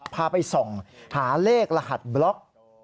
พาไปส่องหาเลขรหัสบล็อก